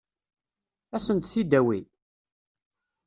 Ad sent-t-id-tawi?